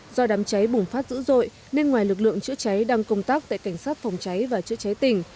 do đám cháy bùng phát dữ dội nên ngoài lực lượng chữa cháy đang công tác tại cảnh sát phòng cháy và chữa cháy tỉnh